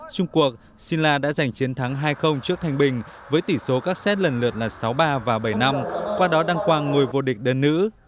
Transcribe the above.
trung cuộc sinh la đã giành chiến thắng hai trước thanh bình với tỷ số các xét lần lượt là sáu ba và bảy năm qua đó đăng quang ngồi vô địch đơn nữ